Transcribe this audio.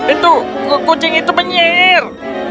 itu kucing itu penyihir